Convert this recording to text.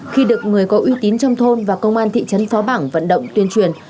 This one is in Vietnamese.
khi được người có uy tín trong thôn và công an thị trấn phó bảng vận động tuyên truyền